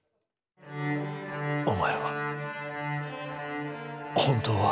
お前は本当は。